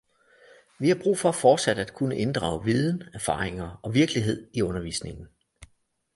Vi har brug for fortsat at kunne inddrage viden, erfaringer og virkelighed i undervisningen